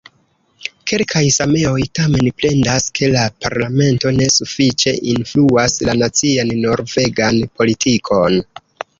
Kelkaj sameoj tamen plendas, ke la parlamento ne sufiĉe influas la nacian norvegan politikon.